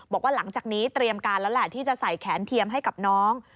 บอกว่าหลังจากนี้เตรียมการแล้วแหละที่จะใส่แขนเทียมให้กับน้อง